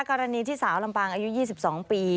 กรณีที่สาวลำปางอายุ๒๒ปี